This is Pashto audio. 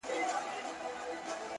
باک مي نسته بیا که زه هم غرغړه سم ,